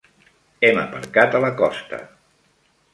Hem aparcat a la costa.